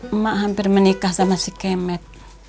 emak hampir menikah sama si kemet